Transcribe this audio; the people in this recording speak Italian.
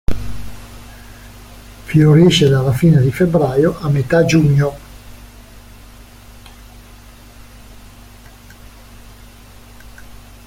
Fiorisce dalla fine di febbraio a metà giugno.